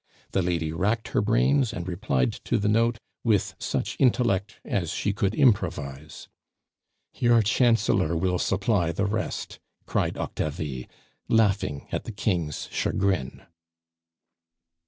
The lady racked her brains and replied to the note with such intellect as she could improvise. "Your Chancellor will supply the rest," cried Octavie, laughing at the King's chagrin.